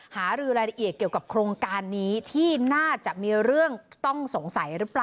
หารือรายละเอียดเกี่ยวกับโครงการนี้ที่น่าจะมีเรื่องต้องสงสัยหรือเปล่า